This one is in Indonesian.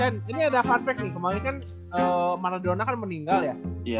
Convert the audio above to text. eh win win ini ada fun fact nih kemaren kan maradona kan meninggal ya